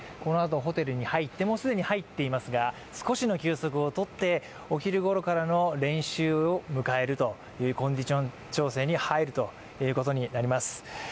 ホテルにもう既に入っていますが少しの休息をとってお昼ごろからの練習を迎えるというコンディション調整に入るということになります。